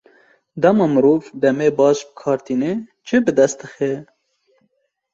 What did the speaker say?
Dema mirov demê baş bi kar tîne, çi bi dest dixe?